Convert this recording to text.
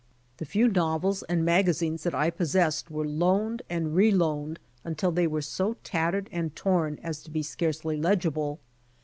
The few novels and magazines that I possessed were loaned and re loaned until they were so tattered and torn as to be scarcely legible.